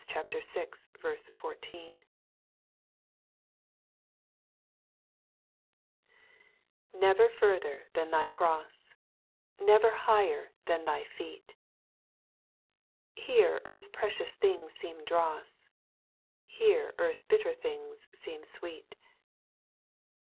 Oalatins vi. 14. 1. VTEVER further than Thy cross 1 Li Never higher than thy feet ! Here earth's precious things seem dross ; Here earth's bitter things seem sweet.